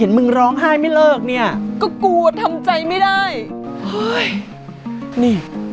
มึงร้องไห้ไม่เลิกเนี่ยก็โกรธทำใจไม่ได้เฮ้ยนี่